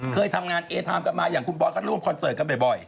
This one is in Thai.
เคยทำงานเอไทม์กันมาอย่างคุณบอสก็ร่วมคอนเสิร์ตกันบ่อย